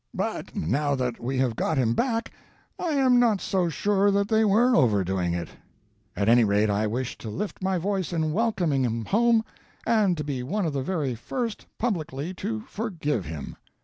"But now that we have got him back, I am not so sure that they were overdoing it. At any rate, I wish to lift my voice in welcoming him home, and to be one of the very first publicly to forgive him.